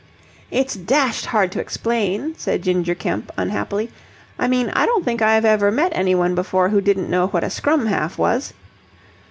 "It's dashed hard to explain," said Ginger Kemp, unhappily. "I mean, I don't think I've ever met anyone before who didn't know what a scrum half was."